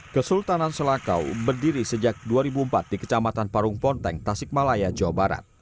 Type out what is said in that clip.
kesultanan selakau berdiri sejak dua ribu empat di kecamatan parung ponteng tasikmalaya jawa barat